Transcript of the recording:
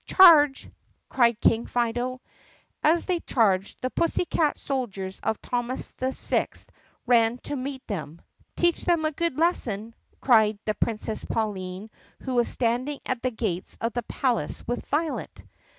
"Charge!" cried King Fido. As they charged, the pussycat soldiers of Thomas VI ran to meet them. "Teach them a good lesson!" cried the Princess Pauline who was standing at the gates of the palace with Violet.